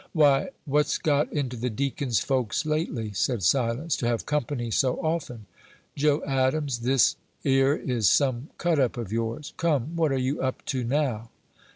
"Why, what's got into the deacon's folks lately," said Silence, "to have company so often? Joe Adams, this 'ere is some 'cut up' of yours. Come, what are you up to now?"